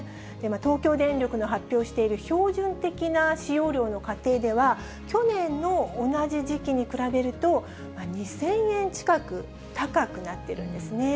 東京電力の発表している標準的な使用量の家庭では、去年の同じ時期に比べると、２０００円近く高くなっているんですね。